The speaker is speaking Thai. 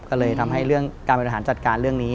ก็เลยทำให้เรื่องการบริหารจัดการเรื่องนี้